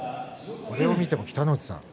これを見ても北の富士さん